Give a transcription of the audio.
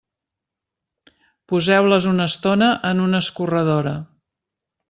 Poseu-les una estona en una escorredora.